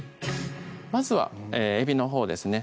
まずはえびのほうですね